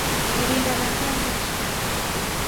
Irinda lakwa liyasha.